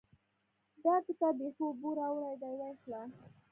دا کتاب بېخي اوبو راوړی دی؛ وايې خله.